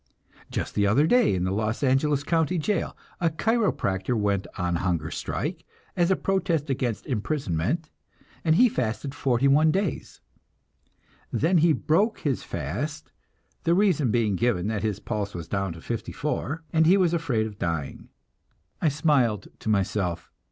Just the other day in the Los Angeles county jail, a chiropractor went on hunger strike, as a protest against imprisonment, and he fasted 41 days. Then he broke his fast, the reason being given that his pulse was down to 54, and he was afraid of dying. I smiled to myself.